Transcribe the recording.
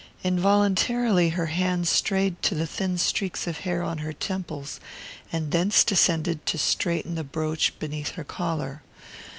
Involuntarily her hand strayed to the thin streaks of hair on her temples, and thence descended to straighten the brooch beneath her collar.